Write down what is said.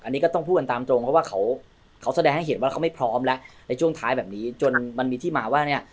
อันนี้ก็ต้องพูดกันตามตรงเพราะว่าเขาแสดงให้เห็นว่าเขาไม่พร้อมแล้วในช่วงท้ายแบบนี้จนมันมีที่มาว่าเนี่ย